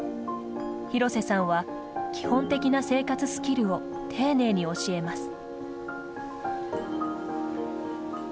廣瀬さんは基本的な生活スキルを丁寧に教えます。